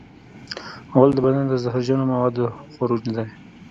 غول د بدن د زهرجنو موادو خروج دی.